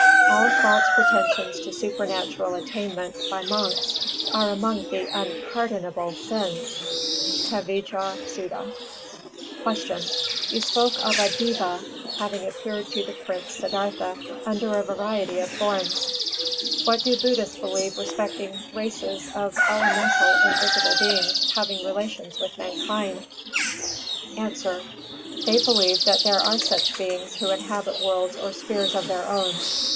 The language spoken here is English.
All false pretensions to supernatural attainment by monks are among the unpardonable sins (Tevijja Sutta). 381. Q. _You spoke of a "deva" having appeared to the Prince Siddhārtha under a variety of forms; what do Buddhists believe respecting races of elemental invisible beings having relations with mankind?_ A. They believe that there are such beings who inhabit worlds or spheres of their own.